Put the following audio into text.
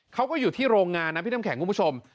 เขาก็อยู่ที่โรงงานนะพี่น้ำแข็งคุณผู้ชม